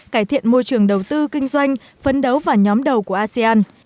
cải thiện môi trường đầu tư kinh doanh phấn đấu vào nhóm đầu của asean